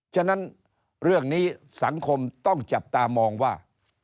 ฉะนั้นเรื่องนี้สังคมต้องจับตามองว่า